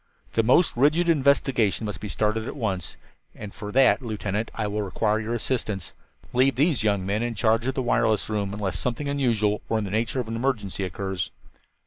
"The most rigid investigation must be started at once, and for that, Lieutenant, I will require your assistance. Leave these young men in charge of the wireless room, unless something unusual or in the nature of an emergency occurs.